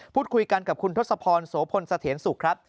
พูดคุยกันกับคุณทศพรโสพลสะเทียนสุขครับ